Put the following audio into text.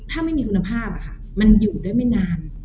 ถ้าไม่มีคุณภาพมันอยู่ได้ไม่นาน